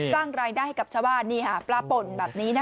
สร้างรายได้ให้กับชาวบ้านนี่ค่ะปลาป่นแบบนี้นะคะ